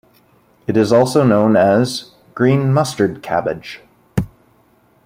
It is also known as "green mustard cabbage".